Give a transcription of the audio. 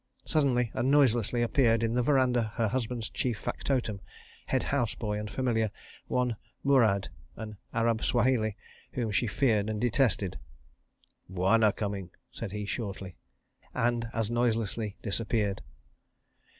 .. Suddenly and noiselessly appeared in the verandah her husband's chief factotum, head house boy, and familiar, one Murad, an Arab Swahili, whom she feared and detested. "Bwana coming," said he shortly, and as noiselessly disappeared.